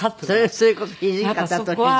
それこそ土方歳三。